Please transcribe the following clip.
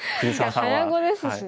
早碁ですしね。